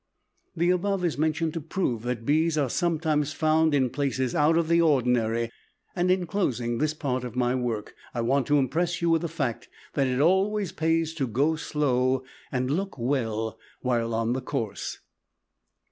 The above is mentioned to prove that bees are sometimes found in places out of the ordinary, and in closing this part of my work I want to impress you with the fact that it always pays to go slow and look well while on the course.